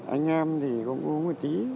anh em thì cũng uống một tí